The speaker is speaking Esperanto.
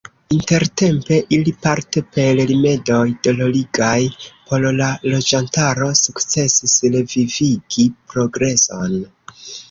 Intertempe ili – parte per rimedoj dolorigaj por la loĝantaro – sukcesis revivigi progreson.